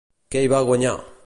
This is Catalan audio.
Què hi va guanyar?